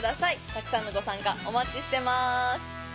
たくさんのご参加お待ちしてます！